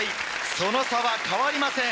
その差は変わりません。